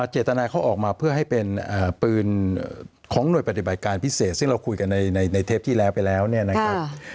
เจตนาเขาออกมาเพื่อให้เป็นปืนของหน่วยปฏิบัติการพิเศษซึ่งเราคุยกันในเทปที่แล้วไปแล้วเนี่ยนะครับ